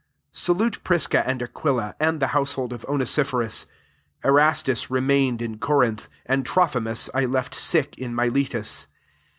19 Salute Prisca and Aqui la, and the household of Onest phorus. 20 Erastus remained m Corinth : and Trophimus I left sick in Miletus.